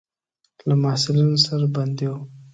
له محصلینو سره بندي وو.